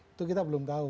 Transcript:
itu kita belum tahu